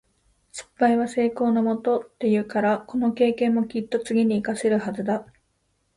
「失敗は成功のもと」って言うから、この経験もきっと次に活かせるはずだ。